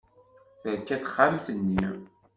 Terka texxamt-nni.